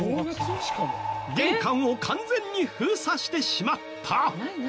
玄関を完全に封鎖してしまった。